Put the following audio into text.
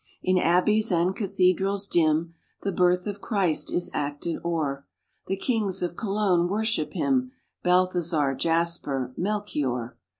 In abbeys and cathedrals dim The birth of Christ is acted o'er; The kings of Cologne worship him, Balthazar, Jasper, Melchior.